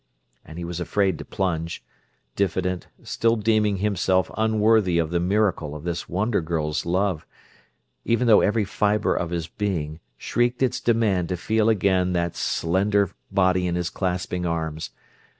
And he was afraid to plunge diffident, still deeming himself unworthy of the miracle of this wonder girl's love even though every fiber of his being shrieked its demand to feel again that slender body in his clasping arms.